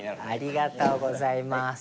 ありがとうございます。